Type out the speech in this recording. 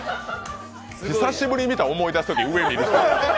久しぶり見た、思い出すとき上を見る人。